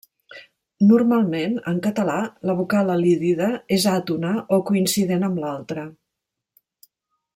Normalment, en català, la vocal elidida és àtona o coincident amb l'altra.